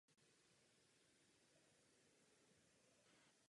Po rozpadu Sovětského svazu řešila často finanční nouzi.